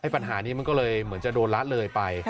ปัญหานี้มันก็เลยเหมือนจะโดนละเลยไป